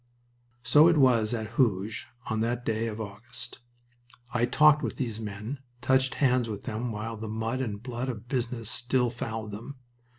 So it was at Hooge on that day of August. I talked with these men, touched hands with them while the mud and blood of the business still fouled them.